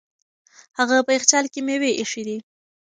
هغه په یخچال کې مېوې ایښې دي.